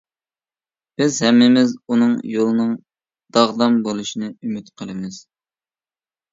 بىز ھەممىمىز ئۇنىڭ يولىنىڭ داغدام بولۇشىنى ئۈمىد قىلىمىز.